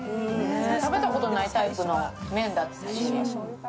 食べたことないタイプの麺だったりします。